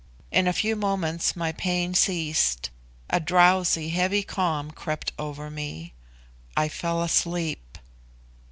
In a few moments my pain ceased; a drowsy, heavy calm crept over me; I fell asleep.